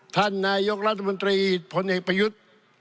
ท่านนายกรัฐมนตรีพลเอกประยุทธ์